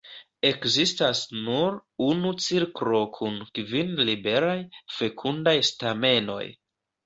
Ekzistas nur unu cirklo kun kvin liberaj, fekundaj stamenoj.